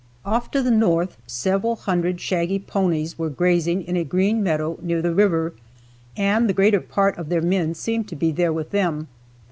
Off to the north several hundred shaggy ponies were grazing in a green meadow near the river, and the greater part of their men seemed to be there with them.